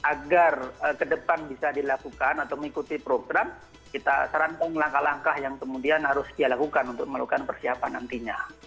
kita sarankan untuk kemudian agar ke depan bisa dilakukan atau mengikuti program kita sarankan langkah langkah yang kemudian harus dilakukan untuk melakukan persiapan nantinya